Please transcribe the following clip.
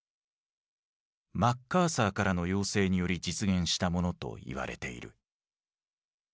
マッカーサーからの要請により実現したものといわれている。